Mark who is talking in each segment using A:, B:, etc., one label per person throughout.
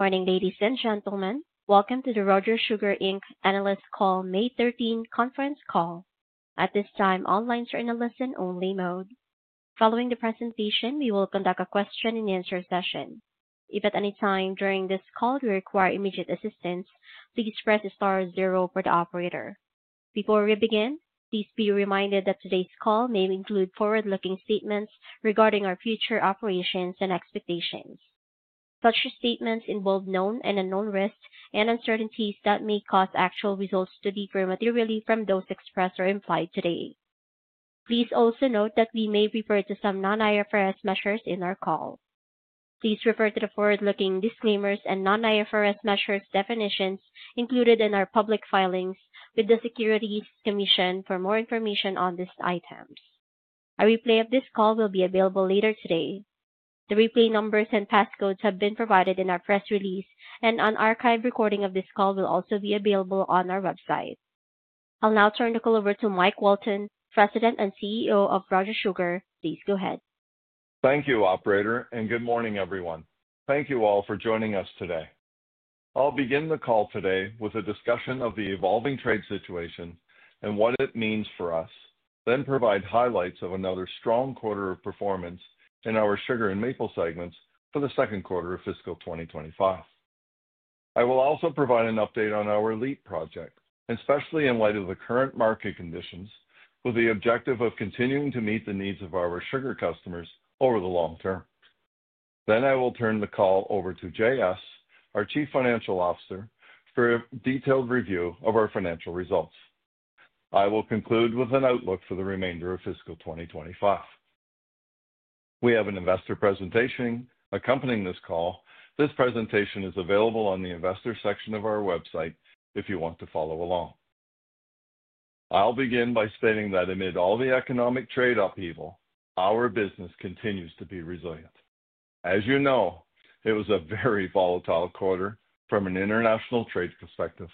A: Morning, ladies and gentlemen. Welcome to the Rogers Sugar Inc Analyst Call, May 13, conference call. At this time, all lines are in a listen-only mode. Following the presentation, we will conduct a question-and-answer session. If at any time during this call you require immediate assistance, please press the star zero for the operator. Before we begin, please be reminded that today's call may include forward-looking statements regarding our future operations and expectations. Such statements involve known and unknown risks and uncertainties that may cause actual results to differ materially from those expressed or implied today. Please also note that we may refer to some non-IFRS measures in our call. Please refer to the forward-looking disclaimers and non-IFRS measures definitions included in our public filings with the Securities Commission for more information on these items. A replay of this call will be available later today. The replay numbers and passcodes have been provided in our press release, and an archived recording of this call will also be available on our website. I'll now turn the call over to Mike Walton, President and CEO of Rogers Sugar. Please go ahead.
B: Thank you, Operator, and good morning, everyone. Thank you all for joining us today. I'll begin the call today with a discussion of the evolving trade situation and what it means for us, then provide highlights of another strong quarter of performance in our sugar and maple segments for the second quarter of fiscal 2025. I will also provide an update on our LEEP project, especially in light of the current market conditions, with the objective of continuing to meet the needs of our sugar customers over the long term. I will turn the call over to Jay S., our Chief Financial Officer, for a detailed review of our financial results. I will conclude with an outlook for the remainder of fiscal 2025. We have an investor presentation accompanying this call. This presentation is available on the investor section of our website if you want to follow along. I'll begin by stating that amid all the economic trade upheaval, our business continues to be resilient. As you know, it was a very volatile quarter from an international trade perspective.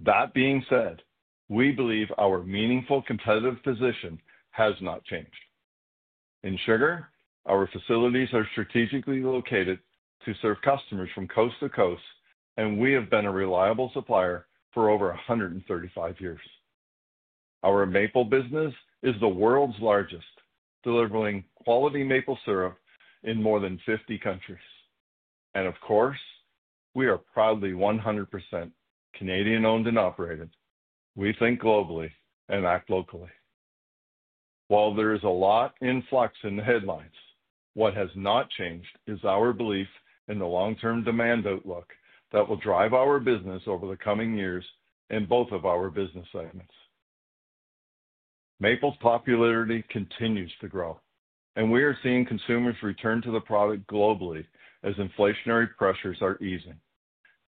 B: That being said, we believe our meaningful competitive position has not changed. In sugar, our facilities are strategically located to serve customers from coast to coast, and we have been a reliable supplier for over 135 years. Our maple business is the world's largest, delivering quality maple syrup in more than 50 countries. Of course, we are proudly 100% Canadian-owned and operated. We think globally and act locally. While there is a lot in flux in the headlines, what has not changed is our belief in the long-term demand outlook that will drive our business over the coming years in both of our business segments. Maple's popularity continues to grow, and we are seeing consumers return to the product globally as inflationary pressures are easing.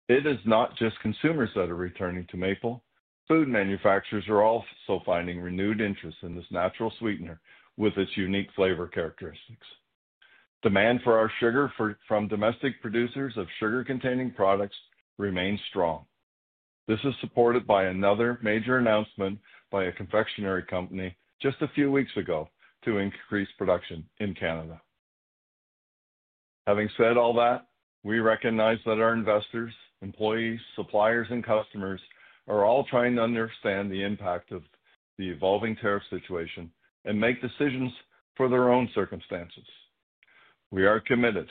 B: It is not just consumers that are returning to maple. Food manufacturers are also finding renewed interest in this natural sweetener with its unique flavor characteristics. Demand for our sugar from domestic producers of sugar-containing products remains strong. This is supported by another major announcement by a confectionery company just a few weeks ago to increase production in Canada. Having said all that, we recognize that our investors, employees, suppliers, and customers are all trying to understand the impact of the evolving tariff situation and make decisions for their own circumstances. We are committed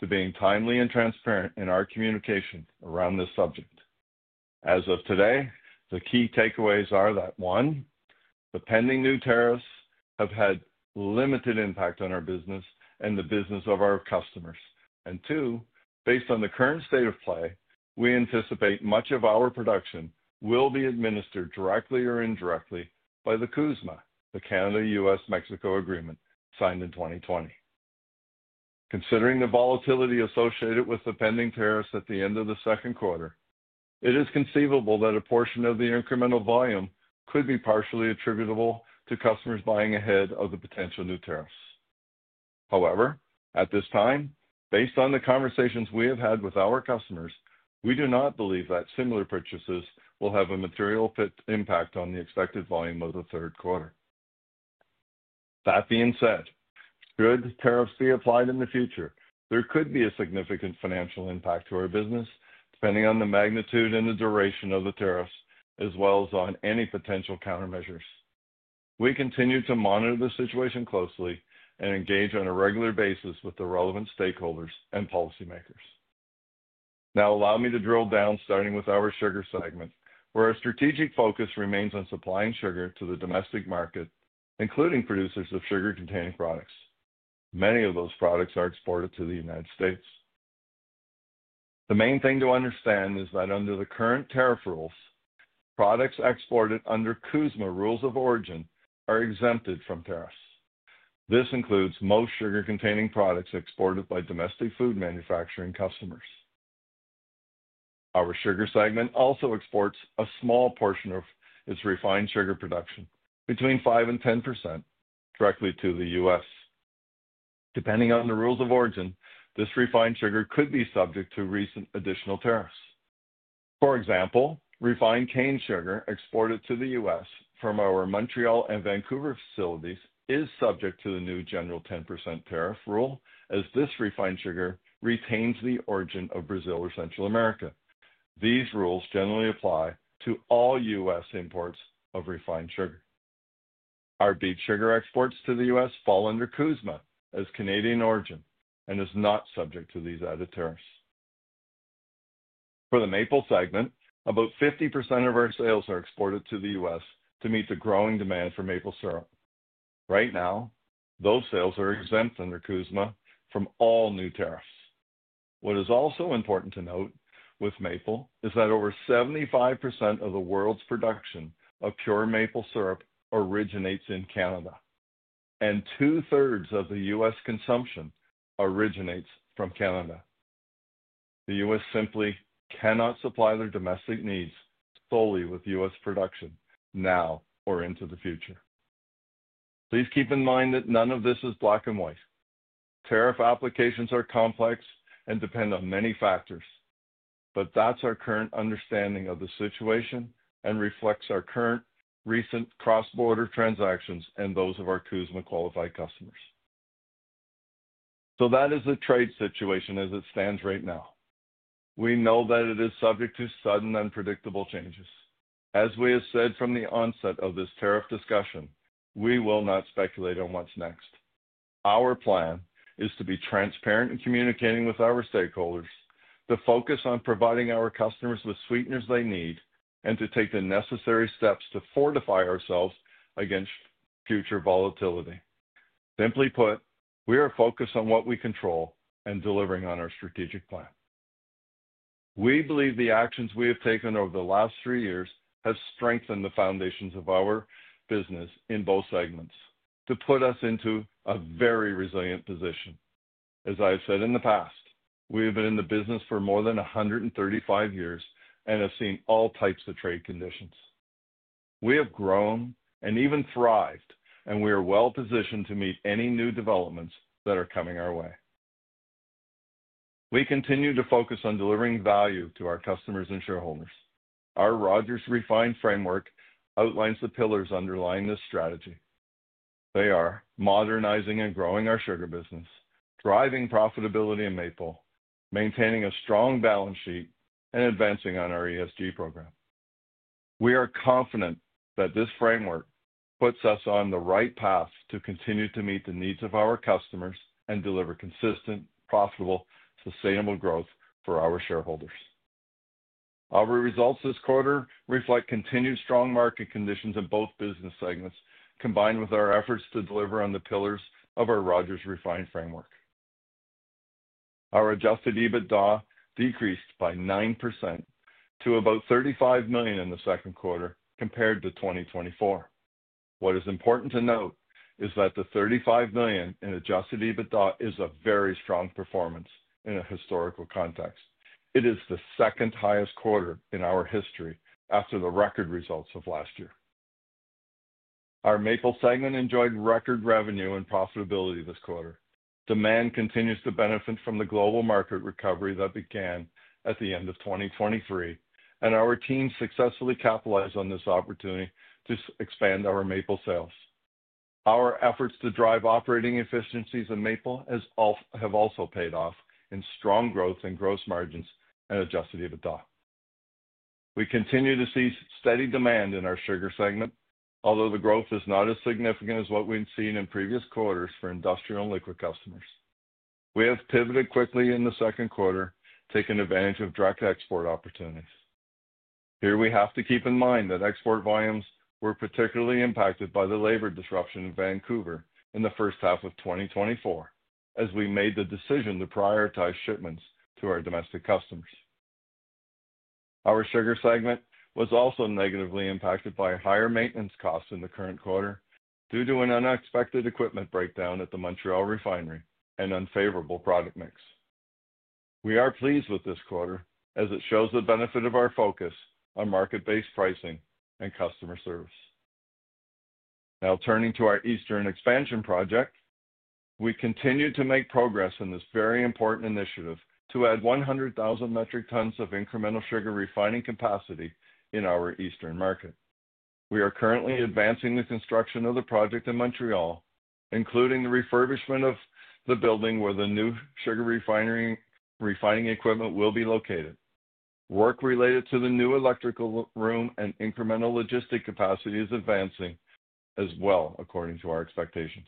B: to being timely and transparent in our communication around this subject. As of today, the key takeaways are that, one, the pending new tariffs have had limited impact on our business and the business of our customers. Two, based on the current state of play, we anticipate much of our production will be administered directly or indirectly by the CUSMA, the Canada-U.S.-Mexico Agreement signed in 2020. Considering the volatility associated with the pending tariffs at the end of the second quarter, it is conceivable that a portion of the incremental volume could be partially attributable to customers buying ahead of the potential new tariffs. However, at this time, based on the conversations we have had with our customers, we do not believe that similar purchases will have a material impact on the expected volume of the third quarter. That being said, should tariffs be applied in the future, there could be a significant financial impact to our business, depending on the magnitude and the duration of the tariffs, as well as on any potential countermeasures. We continue to monitor the situation closely and engage on a regular basis with the relevant stakeholders and policymakers. Now, allow me to drill down, starting with our sugar segment, where our strategic focus remains on supplying sugar to the domestic market, including producers of sugar-containing products. Many of those products are exported to the United States. The main thing to understand is that under the current tariff rules, products exported under CUSMA rules of origin are exempted from tariffs. This includes most sugar-containing products exported by domestic food manufacturing customers. Our sugar segment also exports a small portion of its refined sugar production, between 5% and 10%, directly to the United States. Depending on the rules of origin, this refined sugar could be subject to recent additional tariffs. For example, refined cane sugar exported to the U.S. from our Montreal and Vancouver facilities is subject to the new general 10% tariff rule, as this refined sugar retains the origin of Brazil or Central America. These rules generally apply to all U.S. imports of refined sugar. Our beet sugar exports to the U.S. fall under CUSMA as Canadian origin and are not subject to these added tariffs. For the maple segment, about 50% of our sales are exported to the U.S. to meet the growing demand for maple syrup. Right now, those sales are exempt under CUSMA from all new tariffs. What is also important to note with maple is that over 75% of the world's production of pure maple syrup originates in Canada, and two-thirds of the U.S. consumption originates from Canada. The U.S. simply cannot supply their domestic needs solely with U.S. production now or into the future. Please keep in mind that none of this is black and white. Tariff applications are complex and depend on many factors, but that's our current understanding of the situation and reflects our current recent cross-border transactions and those of our CUSMA-qualified customers. That is the trade situation as it stands right now. We know that it is subject to sudden, unpredictable changes. As we have said from the onset of this tariff discussion, we will not speculate on what's next. Our plan is to be transparent in communicating with our stakeholders, to focus on providing our customers with sweeteners they need, and to take the necessary steps to fortify ourselves against future volatility. Simply put, we are focused on what we control and delivering on our strategic plan. We believe the actions we have taken over the last three years have strengthened the foundations of our business in both segments, to put us into a very resilient position. As I have said in the past, we have been in the business for more than 135 years and have seen all types of trade conditions. We have grown and even thrived, and we are well-positioned to meet any new developments that are coming our way. We continue to focus on delivering value to our customers and shareholders. Our Rogers Sugar Refine framework outlines the pillars underlying this strategy. They are modernizing and growing our sugar business, driving profitability in maple, maintaining a strong balance sheet, and advancing on our ESG program. We are confident that this framework puts us on the right path to continue to meet the needs of our customers and deliver consistent, profitable, sustainable growth for our shareholders. Our results this quarter reflect continued strong market conditions in both business segments, combined with our efforts to deliver on the pillars of our Rogers Sugar Refine framework. Our adjusted EBITDA decreased by 9% to about 35 million in the second quarter compared to 2024. What is important to note is that the 35 million in adjusted EBITDA is a very strong performance in a historical context. It is the second highest quarter in our history after the record results of last year. Our maple segment enjoyed record revenue and profitability this quarter. Demand continues to benefit from the global market recovery that began at the end of 2023, and our team successfully capitalized on this opportunity to expand our maple sales. Our efforts to drive operating efficiencies in maple have also paid off in strong growth in gross margins and adjusted EBITDA. We continue to see steady demand in our sugar segment, although the growth is not as significant as what we've seen in previous quarters for industrial and liquid customers. We have pivoted quickly in the second quarter, taking advantage of direct export opportunities. Here, we have to keep in mind that export volumes were particularly impacted by the labor disruption in Vancouver in the first half of 2024, as we made the decision to prioritize shipments to our domestic customers. Our sugar segment was also negatively impacted by higher maintenance costs in the current quarter due to an unexpected equipment breakdown at the Montreal refinery and unfavorable product mix. We are pleased with this quarter, as it shows the benefit of our focus on market-based pricing and customer service. Now, turning to our Eastern expansion project, we continue to make progress in this very important initiative to add 100,000 metric tons of incremental sugar refining capacity in our Eastern market. We are currently advancing the construction of the project in Montreal, including the refurbishment of the building where the new sugar refining equipment will be located. Work related to the new electrical room and incremental logistic capacity is advancing as well, according to our expectations.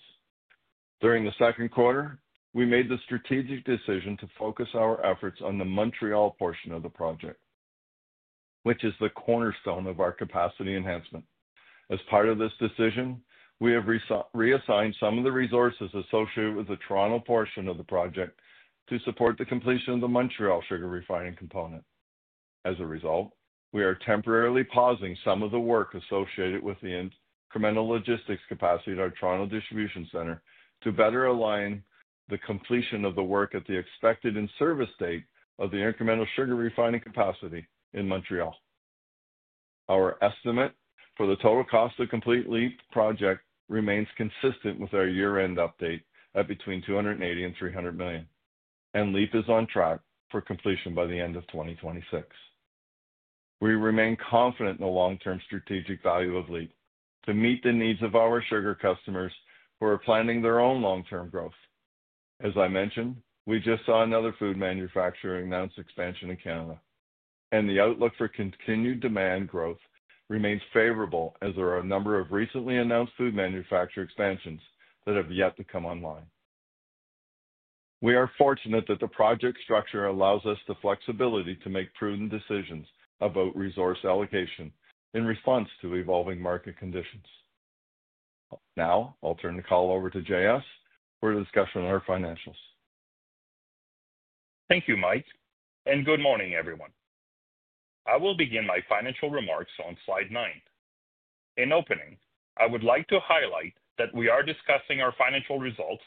B: During the second quarter, we made the strategic decision to focus our efforts on the Montreal portion of the project, which is the cornerstone of our capacity enhancement. As part of this decision, we have reassigned some of the resources associated with the Toronto portion of the project to support the completion of the Montreal sugar refining component. As a result, we are temporarily pausing some of the work associated with the incremental logistics capacity at our Toronto distribution center to better align the completion of the work at the expected in-service date of the incremental sugar refining capacity in Montreal. Our estimate for the total cost of the complete LEEP project remains consistent with our year-end update at between 280 million and 300 million, and LEEP is on track for completion by the end of 2026. We remain confident in the long-term strategic value of LEEP to meet the needs of our sugar customers who are planning their own long-term growth. As I mentioned, we just saw another food manufacturer announce expansion in Canada, and the outlook for continued demand growth remains favorable, as there are a number of recently announced food manufacturer expansions that have yet to come online. We are fortunate that the project structure allows us the flexibility to make prudent decisions about resource allocation in response to evolving market conditions. Now, I'll turn the call over to Jay S. for a discussion on our financials.
C: Thank you, Mike, and good morning, everyone. I will begin my financial remarks on slide nine. In opening, I would like to highlight that we are discussing our financial results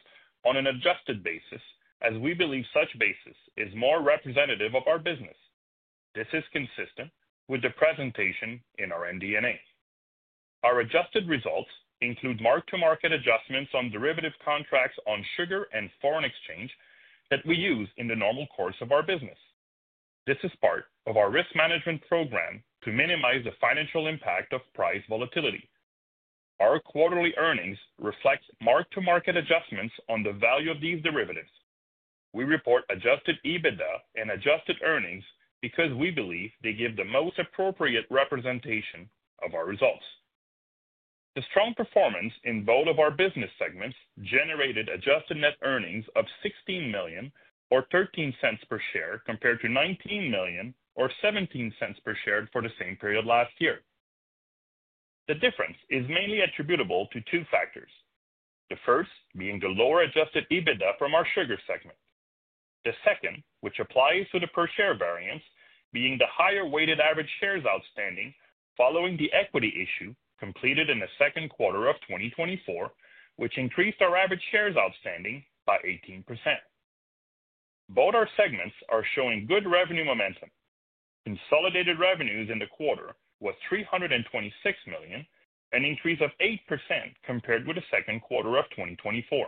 C: on an adjusted basis, as we believe such basis is more representative of our business. This is consistent with the presentation in our MD&A. Our adjusted results include mark-to-market adjustments on derivative contracts on sugar and foreign exchange that we use in the normal course of our business. This is part of our risk management program to minimize the financial impact of price volatility. Our quarterly earnings reflect mark-to-market adjustments on the value of these derivatives. We report adjusted EBITDA and adjusted earnings because we believe they give the most appropriate representation of our results. The strong performance in both of our business segments generated adjusted net earnings of 16 million or 0.13 per share compared to 19 million or 0.17 per share for the same period last year. The difference is mainly attributable to two factors. The first being the lower adjusted EBITDA from our sugar segment. The second, which applies to the per-share variance, being the higher weighted average shares outstanding following the equity issue completed in the second quarter of 2024, which increased our average shares outstanding by 18%. Both our segments are showing good revenue momentum. Consolidated revenues in the quarter were 326 million, an increase of 8% compared with the second quarter of 2024.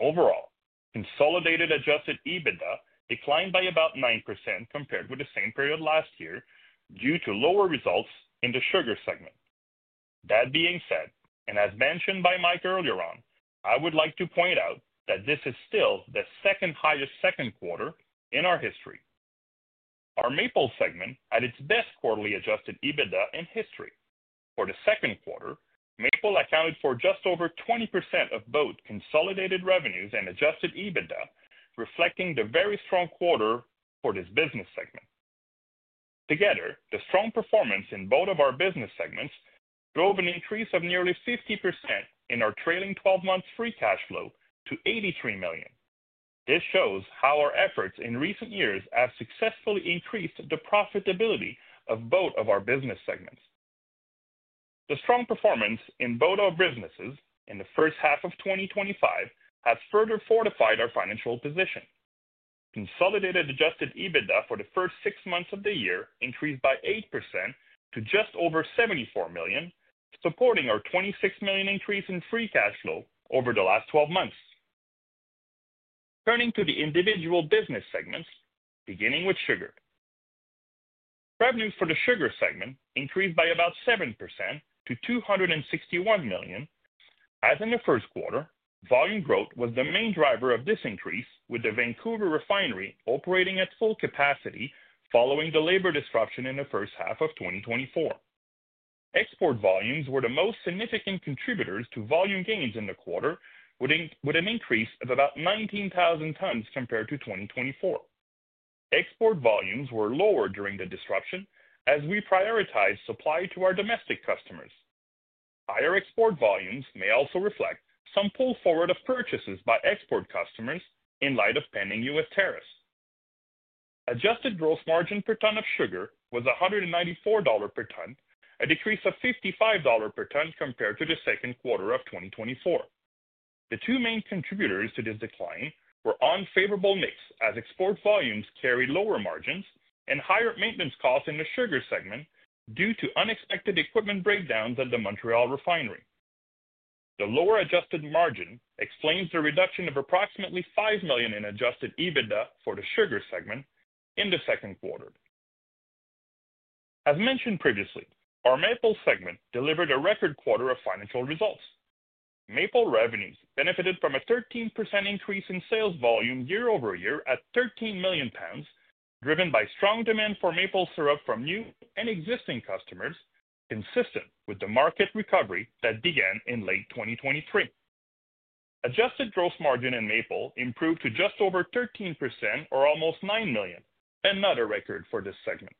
C: Overall, consolidated adjusted EBITDA declined by about 9% compared with the same period last year due to lower results in the sugar segment. That being said, as mentioned by Mike earlier on, I would like to point out that this is still the second highest second quarter in our history. Our maple segment had its best quarterly adjusted EBITDA in history. For the second quarter, maple accounted for just over 20% of both consolidated revenues and adjusted EBITDA, reflecting the very strong quarter for this business segment. Together, the strong performance in both of our business segments drove an increase of nearly 50% in our trailing 12-month free cash flow to 83 million. This shows how our efforts in recent years have successfully increased the profitability of both of our business segments. The strong performance in both our businesses in the first half of 2025 has further fortified our financial position. Consolidated adjusted EBITDA for the first six months of the year increased by 8% to just over 74 million, supporting our 26 million increase in free cash flow over the last 12 months. Turning to the individual business segments, beginning with sugar. Revenues for the sugar segment increased by about 7% to 261 million. As in the first quarter, volume growth was the main driver of this increase, with the Vancouver refinery operating at full capacity following the labor disruption in the first half of 2024. Export volumes were the most significant contributors to volume gains in the quarter, with an increase of about 19,000 tons compared to 2024. Export volumes were lower during the disruption, as we prioritized supply to our domestic customers. Higher export volumes may also reflect some pull forward of purchases by export customers in light of pending U.S. tariffs. Adjusted gross margin per ton of sugar was 194 dollars per ton, a decrease of 55 dollars per ton compared to the second quarter of 2024. The two main contributors to this decline were unfavorable mix, as export volumes carried lower margins and higher maintenance costs in the sugar segment due to unexpected equipment breakdowns at the Montreal refinery. The lower adjusted margin explains the reduction of approximately 5 million in adjusted EBITDA for the sugar segment in the second quarter. As mentioned previously, our maple segment delivered a record quarter of financial results. Maple revenues benefited from a 13% increase in sales volume year over year at 13 million pounds, driven by strong demand for maple syrup from new and existing customers, consistent with the market recovery that began in late 2023. Adjusted gross margin in maple improved to just over 13%, or almost 9 million, another record for this segment.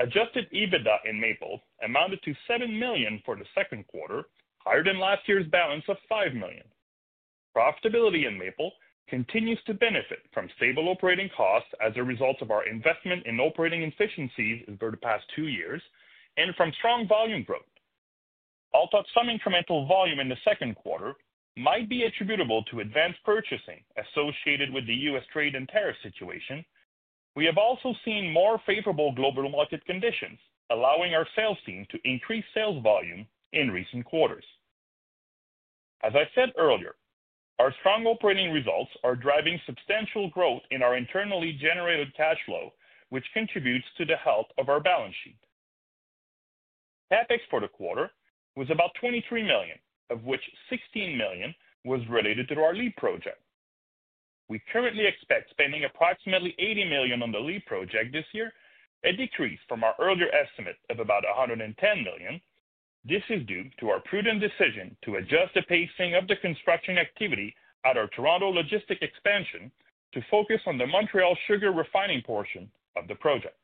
C: Adjusted EBITDA in maple amounted to 7 million for the second quarter, higher than last year's balance of 5 million. Profitability in maple continues to benefit from stable operating costs as a result of our investment in operating efficiencies over the past two years and from strong volume growth. Although some incremental volume in the second quarter might be attributable to advanced purchasing associated with the U.S. trade and tariff situation, we have also seen more favorable global market conditions, allowing our sales team to increase sales volume in recent quarters. As I said earlier, our strong operating results are driving substantial growth in our internally generated cash flow, which contributes to the health of our balance sheet. CapEx for the quarter was about 23 million, of which 16 million was related to our LEEP project. We currently expect spending approximately 80 million on the LEEP project this year, a decrease from our earlier estimate of about 110 million. This is due to our prudent decision to adjust the pacing of the construction activity at our Toronto logistic expansion to focus on the Montreal sugar refining portion of the project.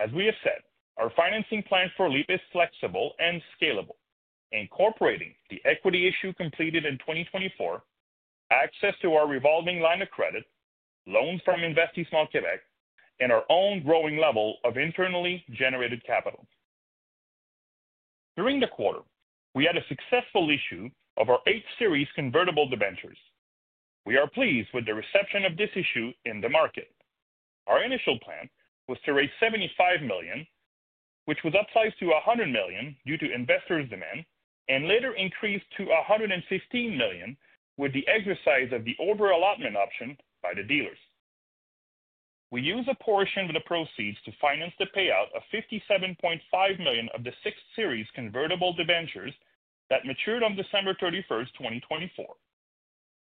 C: As we have said, our financing plan for LEEP is flexible and scalable, incorporating the equity issue completed in 2024, access to our revolving line of credit, loans from Investissement Québec, and our own growing level of internally generated capital. During the quarter, we had a successful issue of our eighth series convertible debentures. We are pleased with the reception of this issue in the market. Our initial plan was to raise 75 million, which was upsized to 100 million due to investors' demand, and later increased to 115 million with the exercise of the order allotment option by the dealers. We use a portion of the proceeds to finance the payout of 57.5 million of the sixth series convertible debentures that matured on December 31, 2024.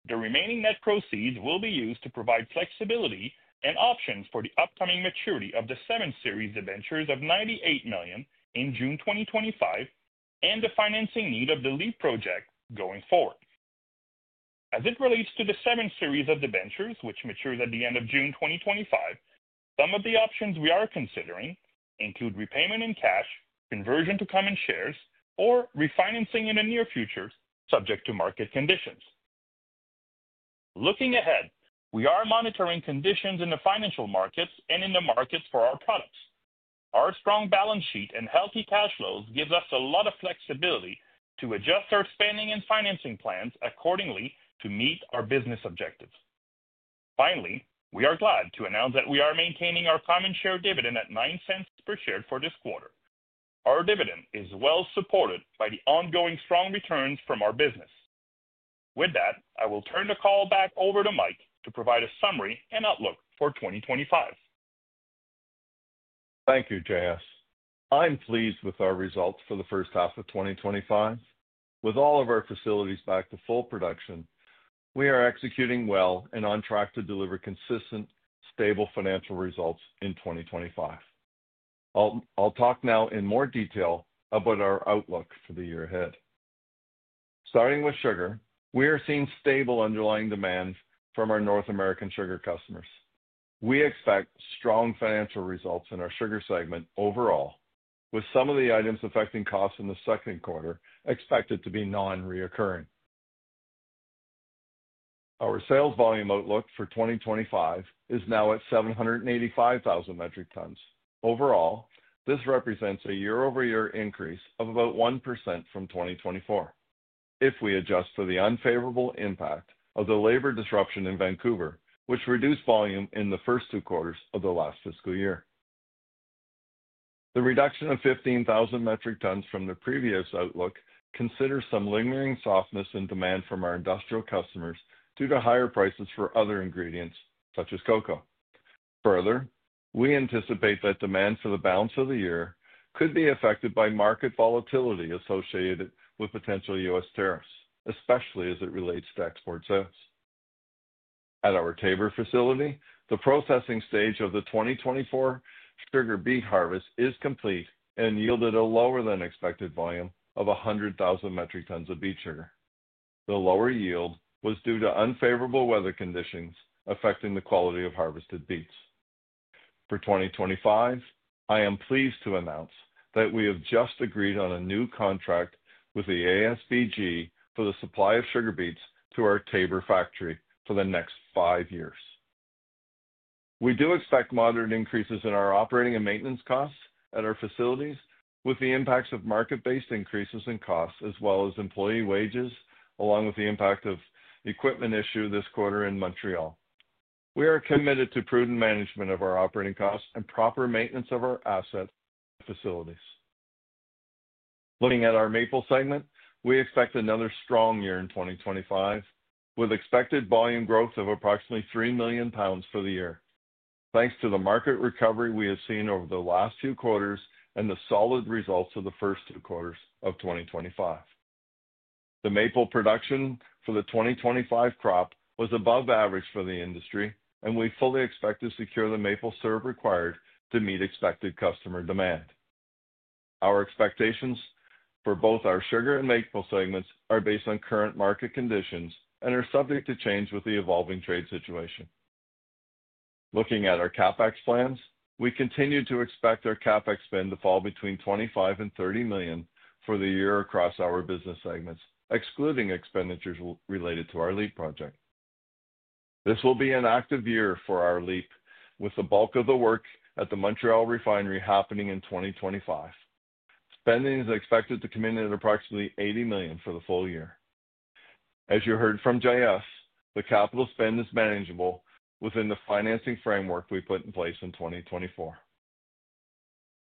C: The remaining net proceeds will be used to provide flexibility and options for the upcoming maturity of the seventh series debentures of 98 million in June 2025 and the financing need of the LEEP project going forward. As it relates to the seventh series of debentures, which matures at the end of June 2025, some of the options we are considering include repayment in cash, conversion to common shares, or refinancing in the near future, subject to market conditions. Looking ahead, we are monitoring conditions in the financial markets and in the markets for our products. Our strong balance sheet and healthy cash flows give us a lot of flexibility to adjust our spending and financing plans accordingly to meet our business objectives. Finally, we are glad to announce that we are maintaining our common share dividend at 0.09 per share for this quarter. Our dividend is well supported by the ongoing strong returns from our business. With that, I will turn the call back over to Mike to provide a summary and outlook for 2025.
B: Thank you, Jay S. I'm pleased with our results for the first half of 2025. With all of our facilities back to full production, we are executing well and on track to deliver consistent, stable financial results in 2025. I'll talk now in more detail about our outlook for the year ahead. Starting with sugar, we are seeing stable underlying demand from our North American sugar customers. We expect strong financial results in our sugar segment overall, with some of the items affecting costs in the second quarter expected to be non-recurring. Our sales volume outlook for 2025 is now at 785,000 metric tons. Overall, this represents a year-over-year increase of about 1% from 2024, if we adjust for the unfavorable impact of the labor disruption in Vancouver, which reduced volume in the first two quarters of the last fiscal year. The reduction of 15,000 metric tons from the previous outlook considers some lingering softness in demand from our industrial customers due to higher prices for other ingredients, such as cocoa. Further, we anticipate that demand for the balance of the year could be affected by market volatility associated with potential U.S. tariffs, especially as it relates to export sales. At our Taber facility, the processing stage of the 2024 sugar beet harvest is complete and yielded a lower-than-expected volume of 100,000 metric tons of beet sugar. The lower yield was due to unfavorable weather conditions affecting the quality of harvested beets. For 2025, I am pleased to announce that we have just agreed on a new contract with the ASBG for the supply of sugar beets to our Taber factory for the next five years. We do expect moderate increases in our operating and maintenance costs at our facilities, with the impacts of market-based increases in costs, as well as employee wages, along with the impact of equipment issue this quarter in Montreal. We are committed to prudent management of our operating costs and proper maintenance of our asset facilities. Looking at our maple segment, we expect another strong year in 2025, with expected volume growth of approximately 3 million pounds for the year, thanks to the market recovery we have seen over the last two quarters and the solid results of the first two quarters of 2025. The maple production for the 2025 crop was above average for the industry, and we fully expect to secure the maple syrup required to meet expected customer demand. Our expectations for both our sugar and maple segments are based on current market conditions and are subject to change with the evolving trade situation. Looking at our CapEx plans, we continue to expect our CapEx spend to fall between 25 million and 30 million for the year across our business segments, excluding expenditures related to our LEEP project. This will be an active year for our LEEP, with the bulk of the work at the Montreal refinery happening in 2025. Spending is expected to come in at approximately 80 million for the full year. As you heard from Jay S., the capital spend is manageable within the financing framework we put in place in 2024.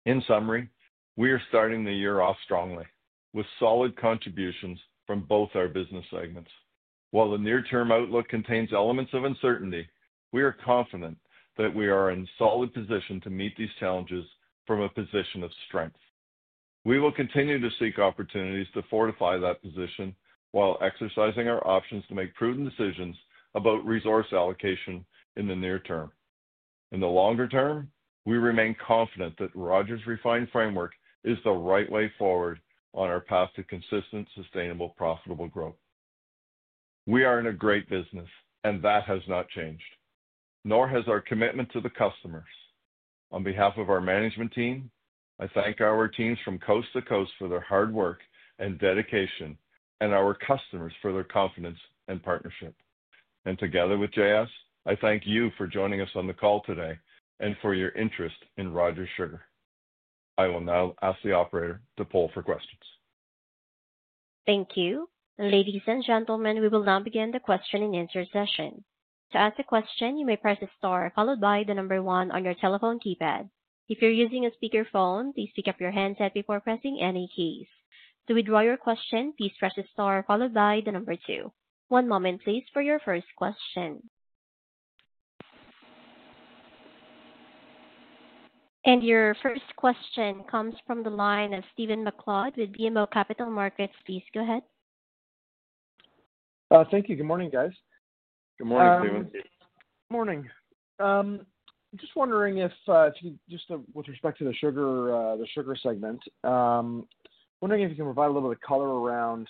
B: In summary, we are starting the year off strongly, with solid contributions from both our business segments. While the near-term outlook contains elements of uncertainty, we are confident that we are in a solid position to meet these challenges from a position of strength. We will continue to seek opportunities to fortify that position while exercising our options to make prudent decisions about resource allocation in the near term. In the longer term, we remain confident that Rogers' refined framework is the right way forward on our path to consistent, sustainable, profitable growth. We are in a great business, and that has not changed, nor has our commitment to the customers. On behalf of our management team, I thank our teams from coast to coast for their hard work and dedication, and our customers for their confidence and partnership. Together with Jay S., I thank you for joining us on the call today and for your interest in Rogers Sugar. I will now ask the operator to poll for questions. Thank you. Ladies and gentlemen, we will now begin the Q&A session. To ask a question, you may press the star followed by the number one on your telephone keypad. If you're using a speakerphone, please pick up your handset before pressing any keys. To withdraw your question, please press the star followed by the number two. One moment, please, for your first question. Your first question comes from the line of Steven McLeod with BMO Capital Markets. Please go ahead.
D: Thank you. Good morning, guys.
B: Good morning, Steven.
D: Good morning. Just wondering if, just with respect to the sugar segment, wondering if you can provide a little bit of color around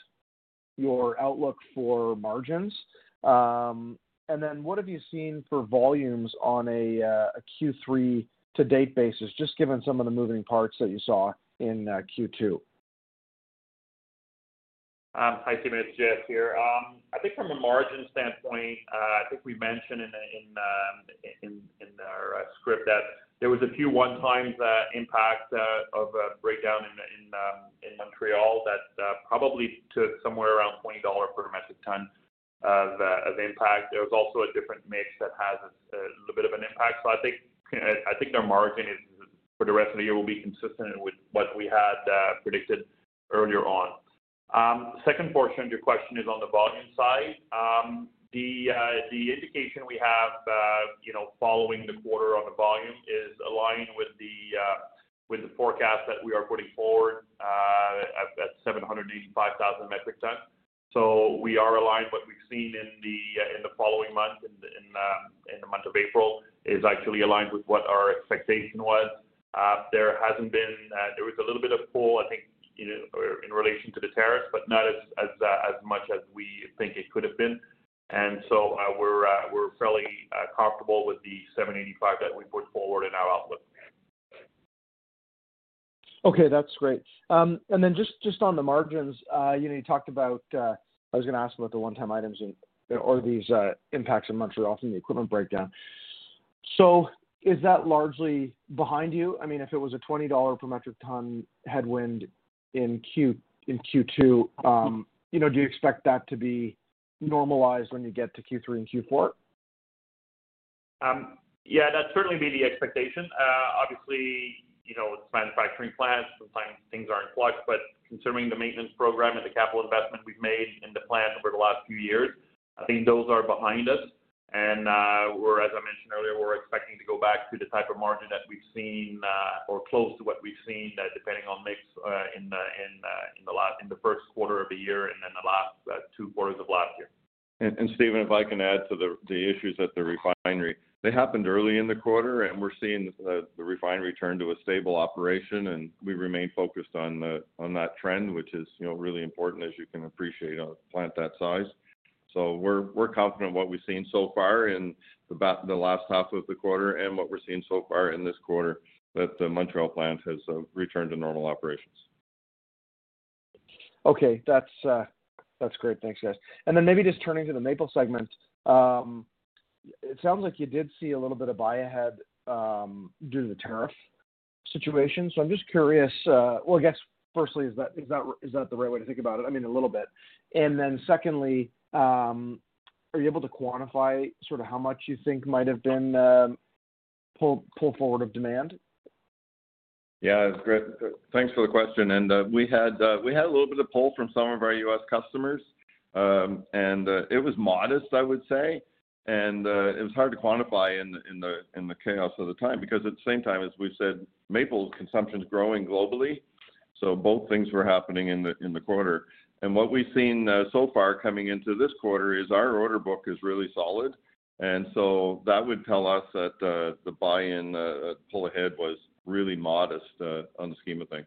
D: your outlook for margins. What have you seen for volumes on a Q3 to date basis, just given some of the moving parts that you saw in Q2?
C: Hi, Steven. It's Jay S. here. I think from a margin standpoint, I think we mentioned in our script that there was a few one-time impacts of a breakdown in Montreal that probably took somewhere around 20 dollars per metric ton of impact. There was also a different mix that has a little bit of an impact. I think their margin for the rest of the year will be consistent with what we had predicted earlier on. The second portion of your question is on the volume side. The indication we have following the quarter on the volume is aligned with the forecast that we are putting forward at 785,000 metric tons. We are aligned. What we have seen in the following month, in the month of April, is actually aligned with what our expectation was. There has not been—there was a little bit of pull, I think, in relation to the tariffs, but not as much as we think it could have been. We are fairly comfortable with the 785 that we put forward in our outlook.
D: Okay. That is great. Then just on the margins, you talked about—I was going to ask about the one-time items or these impacts in Montreal from the equipment breakdown. Is that largely behind you? I mean, if it was a 20 dollar per metric ton headwind in Q2, do you expect that to be normalized when you get to Q3 and Q4?
C: Yeah, that would certainly be the expectation. Obviously, with manufacturing plants, sometimes things are in flux. Considering the maintenance program and the capital investment we've made in the plant over the last few years, I think those are behind us. As I mentioned earlier, we're expecting to go back to the type of margin that we've seen or close to what we've seen, depending on mix in the first quarter of the year and then the last two quarters of last year.
B: Steven, if I can add to the issues at the refinery, they happened early in the quarter, and we're seeing the refinery turn to a stable operation, and we remain focused on that trend, which is really important, as you can appreciate on a plant that size. We're confident in what we've seen so far in the last half of the quarter and what we're seeing so far in this quarter that the Montreal plant has returned to normal operations.
D: Okay. That's great. Thanks, guys. Maybe just turning to the maple segment, it sounds like you did see a little bit of buy-ahead due to the tariff situation. I am just curious—I guess, firstly, is that the right way to think about it? I mean, a little bit. Secondly, are you able to quantify sort of how much you think might have been pulled forward of demand?
B: Yeah. Thanks for the question. We had a little bit of pull from some of our U.S. customers, and it was modest, I would say. It was hard to quantify in the chaos of the time because, at the same time, as we said, maple consumption is growing globally. Both things were happening in the quarter. What we have seen so far coming into this quarter is our order book is really solid. That would tell us that the buy-in pull ahead was really modest on the scheme of things.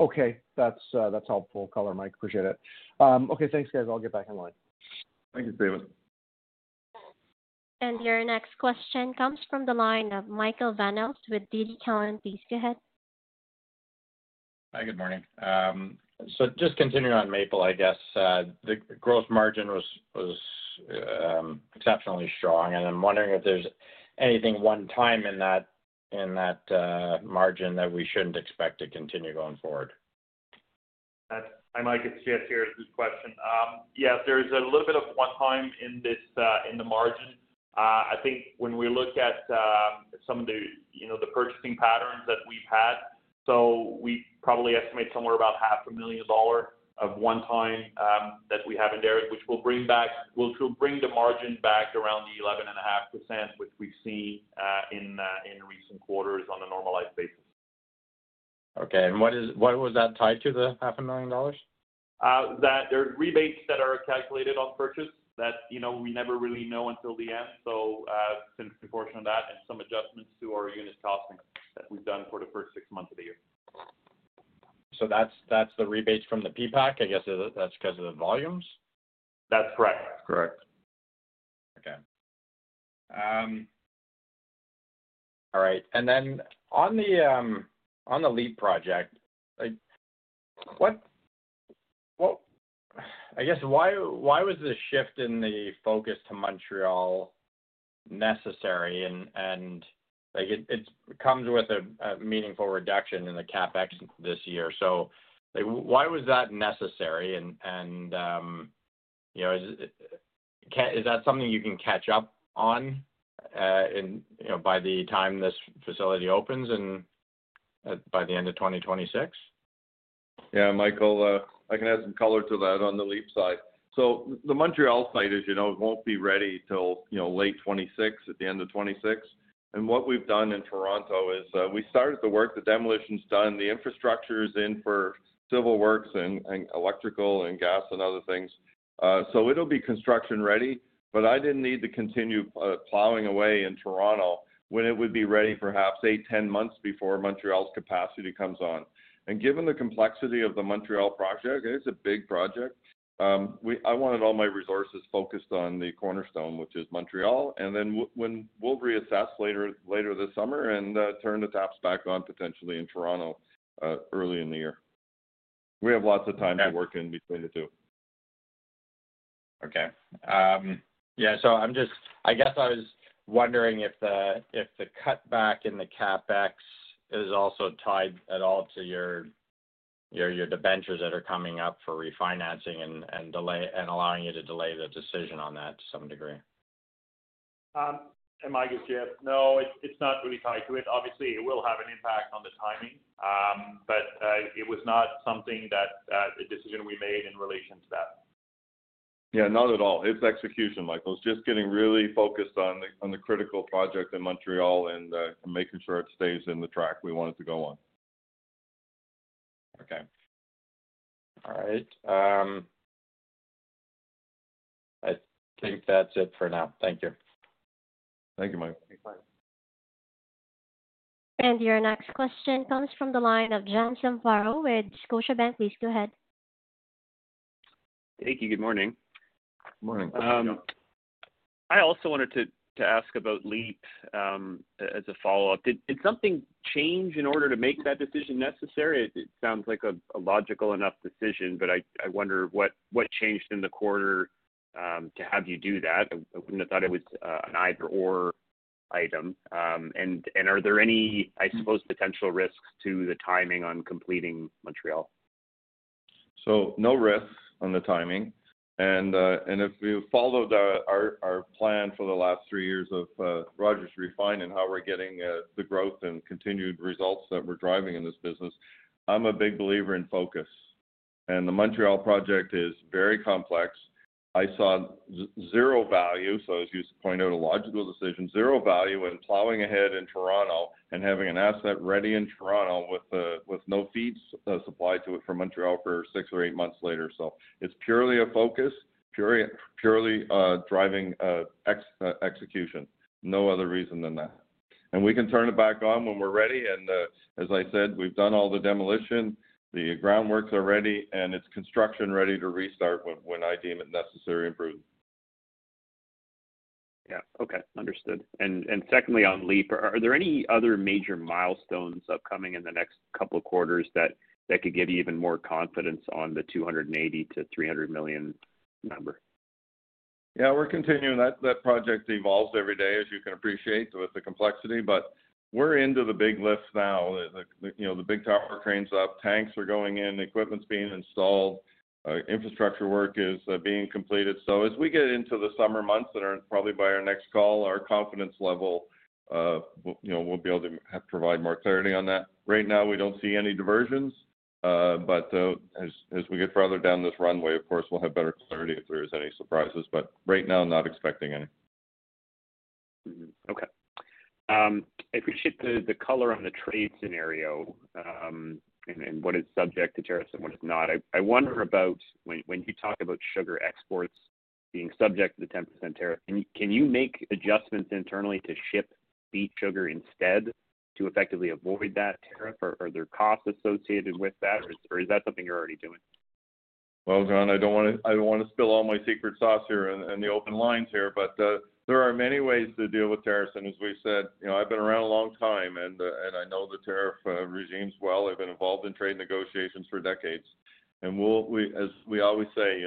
D: Okay. That's helpful color, Mike. Appreciate it. Okay. Thanks, guys. I'll get back in line.
B: Thank you, Steven.
A: Your next question comes from the line of Michael Van Elst with Desjardins. Please go ahead.
E: Hi. Good morning. Just continuing on maple, I guess. The gross margin was exceptionally strong, and I'm wondering if there's anything one-time in that margin that we shouldn't expect to continue going forward.
C: I might get CS here with this question. Yes, there is a little bit of one-time in the margin. I think when we look at some of the purchasing patterns that we've had, we probably estimate somewhere about $500,000 of one-time that we have in there, which will bring back—which will bring the margin back around 11.5%, which we've seen in recent quarters on a normalized basis.
E: Okay. And what was that tied to, the $500,000?
C: There are rebates that are calculated on purchase that we never really know until the end. Since—portion of that and some adjustments to our unit costing that we've done for the first six months of the year.
E: That is the rebates from the PPAC. I guess that is because of the volumes?
C: That is correct. Correct.
E: Okay. All right. On the LEEP project, I guess, why was the shift in the focus to Montreal necessary? It comes with a meaningful reduction in the CapEx this year. Why was that necessary? Is that something you can catch up on by the time this facility opens by the end of 2026?
B: Yeah. Michael, I can add some color to that on the LEEP side. The Montreal site, as you know, will not be ready until late 2026, at the end of 2026. What we have done in Toronto is we started the work, the demolition is done, the infrastructure is in for civil works and electrical and gas and other things. It will be construction ready, but I did not need to continue plowing away in Toronto when it would be ready perhaps 8-10 months before Montreal's capacity comes on. Given the complexity of the Montreal project, it is a big project, I wanted all my resources focused on the cornerstone, which is Montreal. We will reassess later this summer and turn the taps back on potentially in Toronto early in the year. We have lots of time to work in between the two.
E: Okay. Yeah. I was wondering if the cutback in the CapEx is also tied at all to your debentures that are coming up for refinancing and allowing you to delay the decision on that to some degree.
C: Am I going to say yes? No, it is not really tied to it. Obviously, it will have an impact on the timing, but it was not something that a decision we made in relation to that.
B: Yeah, not at all. It is execution, Michael. It is just getting really focused on the critical project in Montreal and making sure it stays in the track we want it to go on.
E: Okay. All right. I think that is it for now. Thank you. Thank you, Mike.
A: Your next question comes from the line of John Zamparo with Scotiabank. Please go ahead.
F: Thank you. Good morning. Good morning. I also wanted to ask about LEEP as a follow-up. Did something change in order to make that decision necessary? It sounds like a logical enough decision, but I wonder what changed in the quarter to have you do that. I would not have thought it was an either/or item. Are there any, I suppose, potential risks to the timing on completing Montreal?
B: No risks on the timing. If you followed our plan for the last three years of Rogers Refine and how we are getting the growth and continued results that we are driving in this business, I am a big believer in focus. The Montreal project is very complex. I saw zero value, so as you point out, a logical decision, zero value in plowing ahead in Toronto and having an asset ready in Toronto with no feed supplied to it from Montreal for six or eight months later. It is purely a focus, purely driving execution. No other reason than that. We can turn it back on when we are ready. As I said, we have done all the demolition, the groundworks are ready, and it is construction ready to restart when I deem it necessary and prudent.
F: Yeah. Okay. Understood. Secondly, on LEEP, are there any other major milestones upcoming in the next couple of quarters that could give you even more confidence on the 280 million-300 million number?
B: Yeah. We are continuing. That project evolves every day, as you can appreciate, with the complexity. We are into the big lifts now. The big tower crane is up, tanks are going in, equipment's being installed, infrastructure work is being completed. As we get into the summer months, probably by our next call, our confidence level will be able to provide more clarity on that. Right now, we do not see any diversions. As we get further down this runway, of course, we will have better clarity if there are any surprises. Right now, not expecting any.
F: I appreciate the color on the trade scenario and what is subject to tariffs and what is not. I wonder about when you talk about sugar exports being subject to the 10% tariff, can you make adjustments internally to ship beet sugar instead to effectively avoid that tariff? Are there costs associated with that, or is that something you are already doing?
B: John, I do not want to spill all my secret sauce here on the open lines, but there are many ways to deal with tariffs. As we said, I have been around a long time, and I know the tariff regimes well. I have been involved in trade negotiations for decades. As we always say,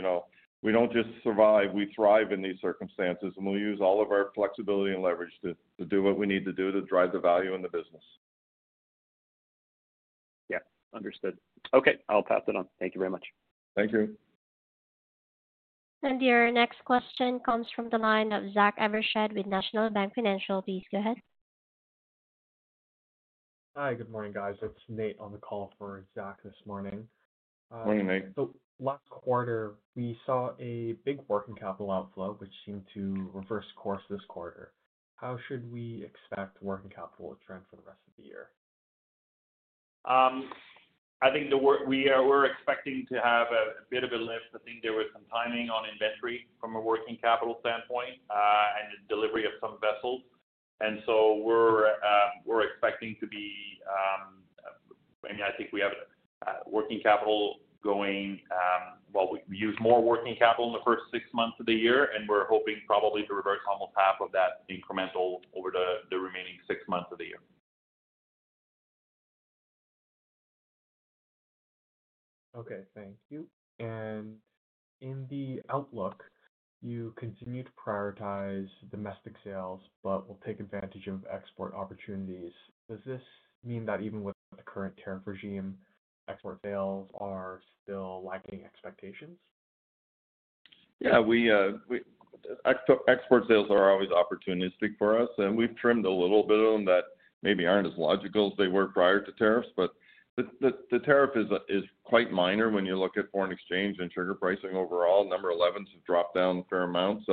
B: we do not just survive; we thrive in these circumstances. We will use all of our flexibility and leverage to do what we need to do to drive the value in the business.
F: Yeah. Understood. Okay. I will pass it on. Thank you very much.
B: Thank you.
A: Your next question comes from the line of Zach Evershed with National Bank Financial. Please go ahead.
G: Hi. Good morning, guys. It is Nate on the call for Zach this morning. Morning, Mike. Last quarter, we saw a big working capital outflow, which seemed to reverse course this quarter. How should we expect working capital to trend for the rest of the year?
C: I think we're expecting to have a bit of a lift. I think there was some timing on inventory from a working capital standpoint and the delivery of some vessels. We are expecting to be—I mean, I think we have working capital going—well, we use more working capital in the first six months of the year, and we're hoping probably to reverse almost half of that incremental over the remaining six months of the year.
G: Okay. Thank you. In the outlook, you continue to prioritize domestic sales, but will take advantage of export opportunities. Does this mean that even with the current tariff regime, export sales are still lacking expectations?
B: Yeah. Export sales are always opportunistic for us, and we've trimmed a little bit on that. Maybe aren't as logical as they were prior to tariffs, but the tariff is quite minor when you look at foreign exchange and sugar pricing overall. Number 11s have dropped down a fair amount.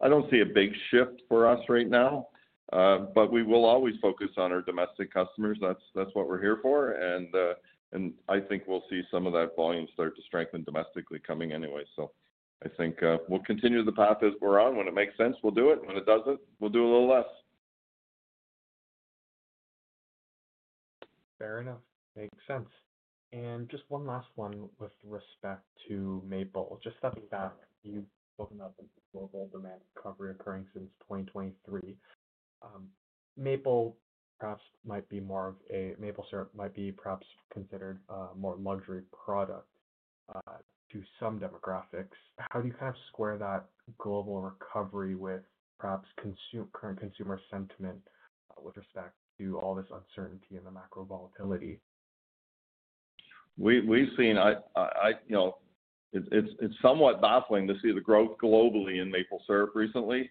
B: I do not see a big shift for us right now, but we will always focus on our domestic customers. That is what we are here for. I think we will see some of that volume start to strengthen domestically coming anyway. I think we will continue the path as we are on. When it makes sense, we will do it. When it does not, we will do a little less.
G: Fair enough. Makes sense. Just one last one with respect to maple. Just stepping back, you have spoken about the global demand recovery occurring since 2023. Maple perhaps might be more of a—maple syrup might be perhaps considered a more luxury product to some demographics. How do you kind of square that global recovery with perhaps current consumer sentiment with respect to all this uncertainty and the macro volatility?
H: We've seen—it's somewhat baffling to see the growth globally in maple syrup recently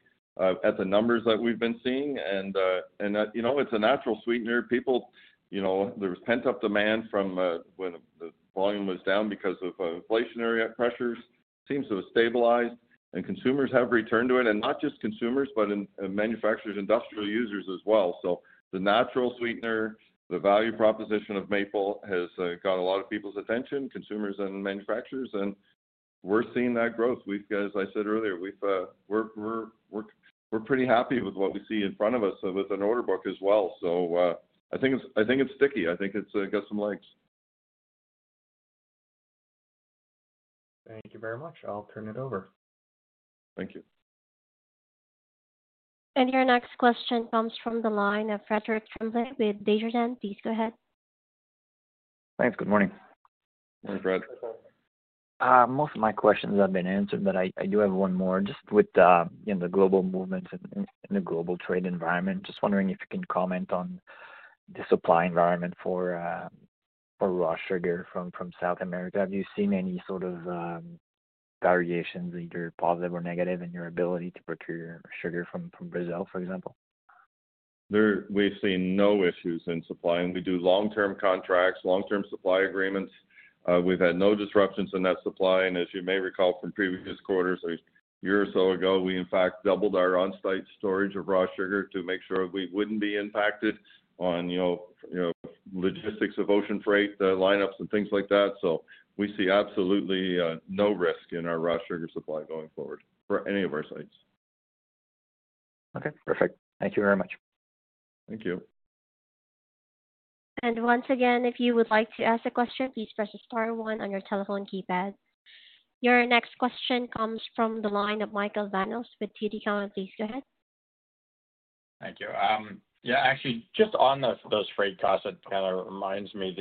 H: at the numbers that we've been seeing. It is a natural sweetener. There was pent-up demand from when the volume was down because of inflationary pressures. It seems to have stabilized, and consumers have returned to it. Not just consumers, but manufacturers, industrial users as well. The natural sweetener, the value proposition of maple has got a lot of people's attention, consumers and manufacturers. We are seeing that growth. As I said earlier, we are pretty happy with what we see in front of us with an order book as well. I think it's sticky. I think it's got some legs.
G: Thank you very much. I'll turn it over.
B: Thank you.
A: Your next question comes from the line of Frederick Tremblay with Desjardins. Please go ahead.
I: Thanks. Good morning.
B: Morning, Fred.
I: Most of my questions have been answered, but I do have one more just with the global movements and the global trade environment. Just wondering if you can comment on the supply environment for raw sugar from South America. Have you seen any sort of variations, either positive or negative, in your ability to procure sugar from Brazil, for example?
B: We've seen no issues in supply. We do long-term contracts, long-term supply agreements. We've had no disruptions in that supply. As you may recall from previous quarters or a year or so ago, we, in fact, doubled our on-site storage of raw sugar to make sure we would not be impacted on logistics of ocean freight, the lineups, and things like that. We see absolutely no risk in our raw sugar supply going forward for any of our sites.
I: Okay. Perfect. Thank you very much.
B: Thank you.
A: Once again, if you would like to ask a question, please press star one on your telephone keypad. Your next question comes from the line of Michael Vanos with TD Cowen. Please go ahead.
J: Thank you. Yeah. Actually, just on those freight costs, it kind of reminds me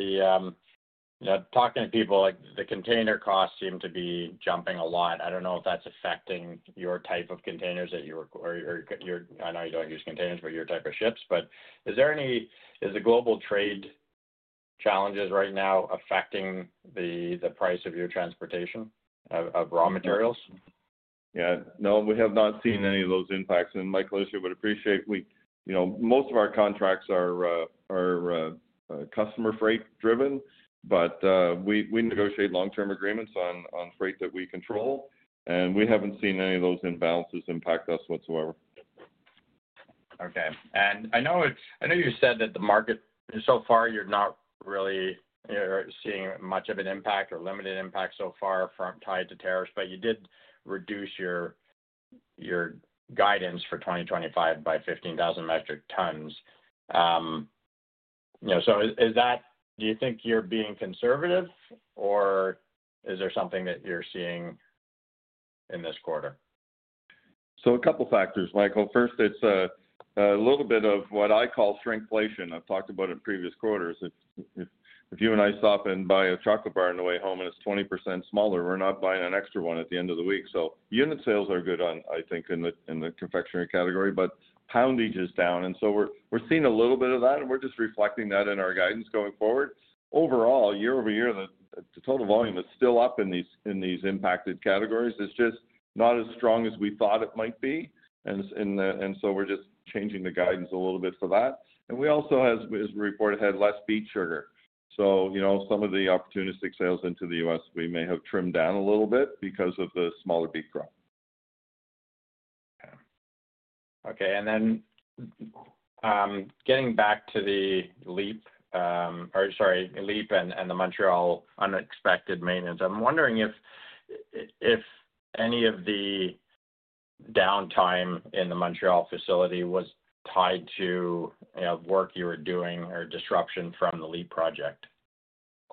J: of talking to people, the container costs seem to be jumping a lot. I do not know if that is affecting your type of containers that you—I know you do not use containers, but your type of ships. Is the global trade challenges right now affecting the price of your transportation of raw materials?
B: Yeah. No, we have not seen any of those impacts. Michael, as you would appreciate, most of our contracts are customer freight-driven, but we negotiate long-term agreements on freight that we control. We have not seen any of those imbalances impact us whatsoever.
J: Okay. I know you said that the market so far, you are not really seeing much of an impact or limited impact so far tied to tariffs, but you did reduce your guidance for 2025 by 15,000 metric tons. Do you think you are being conservative, or is there something that you are seeing in this quarter?
B: A couple of factors, Michael. First, it's a little bit of what I call shrinkflation. I've talked about it in previous quarters. If you and I stop and buy a chocolate bar on the way home and it's 20% smaller, we're not buying an extra one at the end of the week. Unit sales are good, I think, in the confectionery category, but poundage is down. We are seeing a little bit of that, and we are just reflecting that in our guidance going forward. Overall, year-over-year, the total volume is still up in these impacted categories. It is just not as strong as we thought it might be. We are just changing the guidance a little bit for that. We also, as we report ahead, less beet sugar. Some of the opportunistic sales into the U.S., we may have trimmed down a little bit because of the smaller beet crop.
J: Okay. Okay. Getting back to the LEEP, sorry, LEEP and the Montreal unexpected maintenance, I'm wondering if any of the downtime in the Montreal facility was tied to work you were doing or disruption from the LEEP project.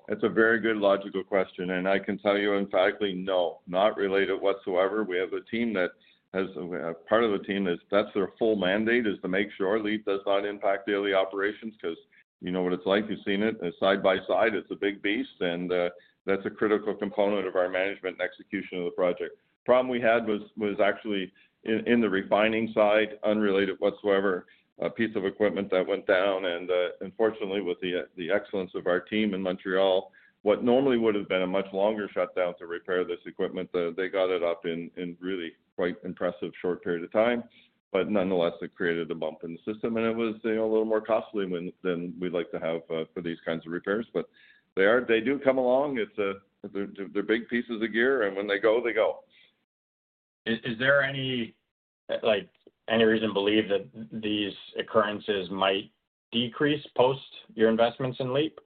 B: That's a very good logical question. I can tell you emphatically, no, not related whatsoever. We have a team that has—part of the team is—that's their full mandate is to make sure LEEP does not impact daily operations because you know what it's like. You've seen it. Side by side, it's a big beast, and that's a critical component of our management and execution of the project. The problem we had was actually in the refining side, unrelated whatsoever, a piece of equipment that went down. Unfortunately, with the excellence of our team in Montreal, what normally would have been a much longer shutdown to repair this equipment, they got it up in really quite an impressive short period of time. Nonetheless, it created a bump in the system, and it was a little more costly than we'd like to have for these kinds of repairs. They do come along. They're big pieces of gear, and when they go, they go.
J: Is there any reason to believe that these occurrences might decrease post your investments in LEEP?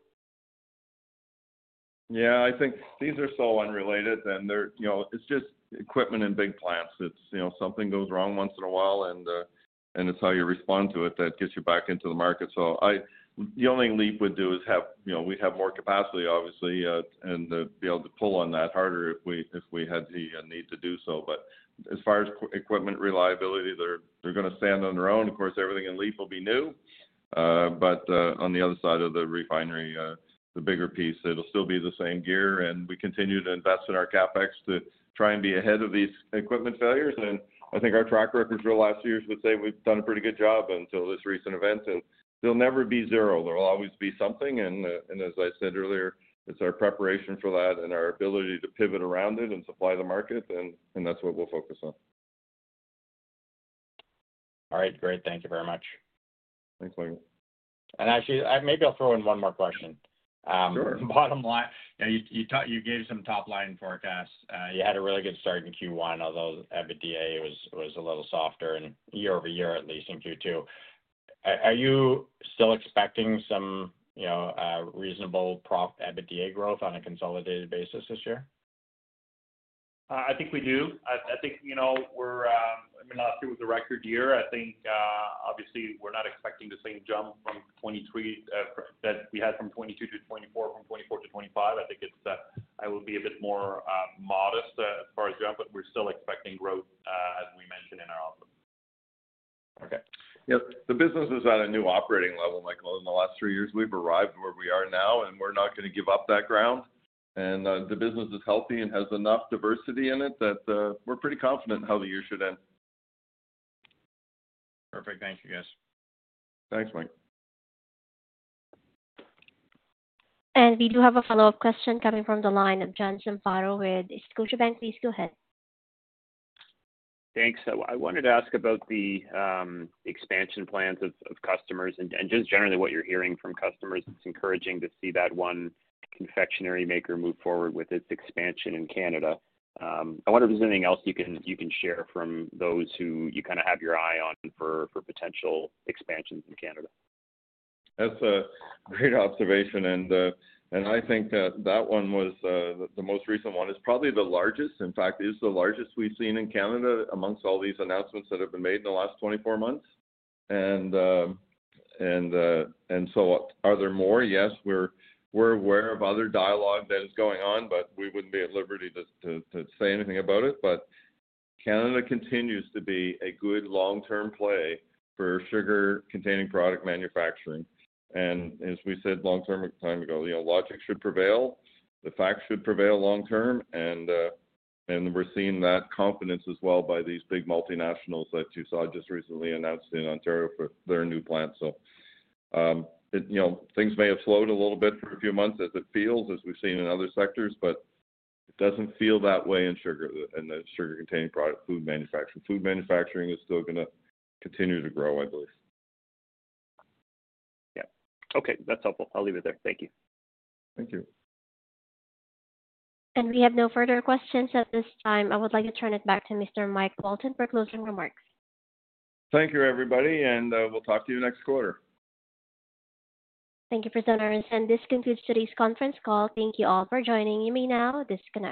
B: Yeah. I think these are so unrelated, and it's just equipment in big plants. Something goes wrong once in a while, and it's how you respond to it that gets you back into the market. The only thing LEEP would do is have—we'd have more capacity, obviously, and be able to pull on that harder if we had the need to do so. As far as equipment reliability, they're going to stand on their own. Of course, everything in LEEP will be new. On the other side of the refinery, the bigger piece, it'll still be the same gear. We continue to invest in our CapEx to try and be ahead of these equipment failures. I think our track record for the last few years would say we've done a pretty good job until this recent event. There'll never be zero. There'll always be something. As I said earlier, it's our preparation for that and our ability to pivot around it and supply the market. That's what we'll focus on.
J: All right. Great. Thank you very much.
H: Thanks, Michael.
J: Actually, maybe I'll throw in one more question. Sure. Bottom line, you gave some top-line forecasts. You had a really good start in Q1, although EBITDA was a little softer year over year, at least in Q2. Are you still expecting some reasonable EBITDA growth on a consolidated basis this year?
C: I think we do. I think we're—I mean, last year was a record year. I think, obviously, we're not expecting the same jump that we had from 2022 to 2024, from 2024 to 2025. I think it will be a bit more modest as far as jump, but we're still expecting growth, as we mentioned in our outlook.
B: Okay. Yeah. The business is at a new operating level, Michael. In the last three years, we've arrived where we are now, and we're not going to give up that ground. The business is healthy and has enough diversity in it that we're pretty confident in how the year should end.
J: Perfect. Thank you, guys. Thanks, Mike. We do have a follow-up question coming from the line of John Zamparo with Scotiabank. Please go ahead.
F: Thanks. I wanted to ask about the expansion plans of customers and just generally what you're hearing from customers. It's encouraging to see that one confectionery maker move forward with its expansion in Canada. I wonder if there's anything else you can share from those who you kind of have your eye on for potential expansions in Canada?
B: That's a great observation. I think that one, the most recent one, is probably the largest. In fact, it is the largest we've seen in Canada amongst all these announcements that have been made in the last 24 months. Are there more? Yes, we're aware of other dialogue that is going on, but we wouldn't be at liberty to say anything about it. Canada continues to be a good long-term play for sugar-containing product manufacturing. As we said a long time ago, logic should prevail. The facts should prevail long-term. We're seeing that confidence as well by these big multinationals that you saw just recently announced in Ontario for their new plant. Things may have slowed a little bit for a few months as it feels, as we've seen in other sectors, but it doesn't feel that way in sugar and the sugar-containing product food manufacturing. Food manufacturing is still going to continue to grow, I believe.
F: Yeah. Okay. That's helpful. I'll leave it there. Thank you.
B: Thank you.
A: We have no further questions at this time.
B: I would like to turn it back to Mr. Mike Walton for closing remarks. Thank you, everybody. We will talk to you next quarter. Thank you, presenters.
A: This concludes today's conference call. Thank you all for joining me now. This conference.